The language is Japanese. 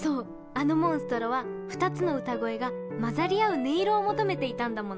あのモンストロは２つの歌声がまざりあう音色を求めていたんだもの。